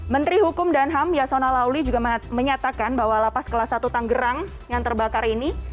menteri hukum dan ham yasona lauli juga menyatakan bahwa lapas kelas satu tanggerang yang terbakar ini